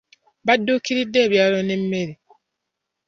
Badduukiridde ebyalo n'emmere.